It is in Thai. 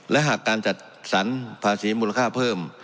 และหากการจัดสรรภาษีมูลค่าเพิ่ม